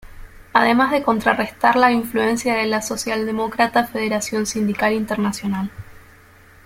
Además de contrarrestar la influencia de la socialdemócrata Federación Sindical Internacional.